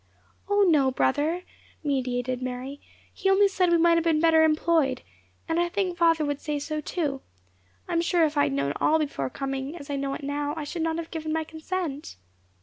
"O! no, brother," mediated Mary, "he only said we might have been better employed; and I think father would say so too. I am sure if I had known all before coming, as I know it now, I should not have given my consent."